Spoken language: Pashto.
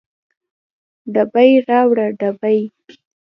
ډبې راوړه ډبې